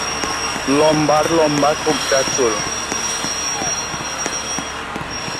লম্বার লম্বা কোঁকড়া চুল!